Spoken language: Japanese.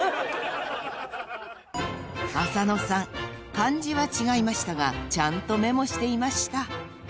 漢字は違いましたがちゃんとメモしていました］